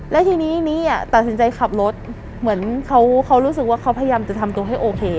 แล้วทีนี้นี้ตัดสินใจขับรถเหมือนเขารู้สึกว่าเขาพยายามจะทำตัวให้โอเค